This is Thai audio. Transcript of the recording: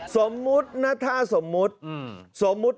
สมมุตินะถ้าสมมุติ